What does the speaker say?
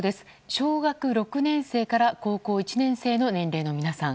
小学６年生から高校１年生の年齢の皆さん。